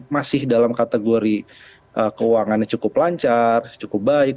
masih dalam kategori keuangannya cukup lancar cukup baik